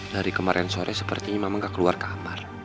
dari kemarin sore sepertinya mama gak keluar kamar